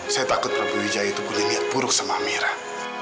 saya takut prabu wijaya itu pun iniat buruk sama aminah